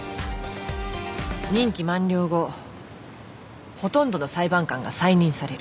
任期満了後ほとんどの裁判官が再任される。